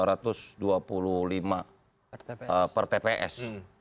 dua puluh lima ribu per tps